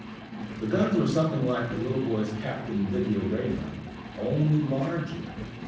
The guns were something like the little boy's Captain Video ray gun, only larger.